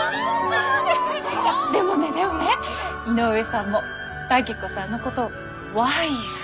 でもねでもね井上さんも武子さんのことを「ワイフ」とお呼びなのよ。